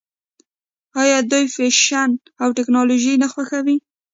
آیا دوی فیشن او ټیکنالوژي نه خوښوي؟